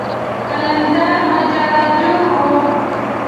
قلندر ماجراجو و.